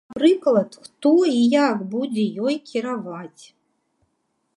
Напрыклад, хто і як будзе ёй кіраваць.